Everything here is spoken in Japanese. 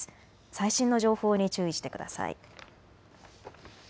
最新の情報に注意してください。